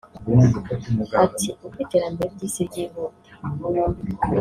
Ati “Uko iterambere ry’Isi ryihuta